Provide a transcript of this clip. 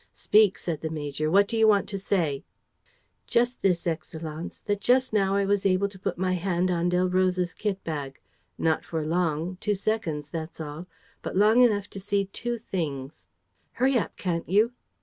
"Speak," said the major. "What do you want to say?" "Just this, Excellenz, that just now I was able to put my hand on Delroze's kit bag. Not for long: two seconds, that's all; but long enough to see two things. ..." "Hurry up, can't you?"